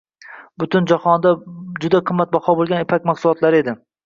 Butun jahonda juda qimmatbaho boʻlgan ipak mahsulotlari edi.